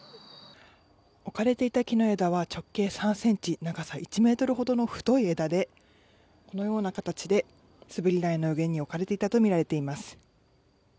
置かれていた木の枝は直径３センチ、長さ１メートルほどの太い枝で、このような形で滑り台の上に置かれていたと見られています。